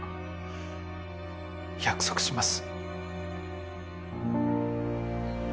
約束します。